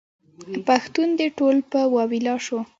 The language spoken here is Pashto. پښتون دې ټول په واویلا شو.